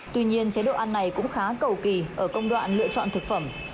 tuy nhiên chế độ ăn này cũng khá cầu kỳ ở công đoạn lựa chọn thực phẩm